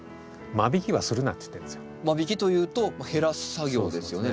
間引きというと減らす作業ですよね